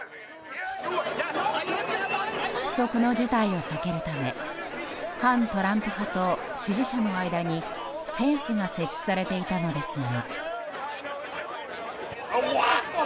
不測の事態を避けるため反トランプ派と支持者の間に、フェンスが設置されていたのですが。